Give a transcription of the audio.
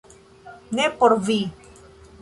Ne por vi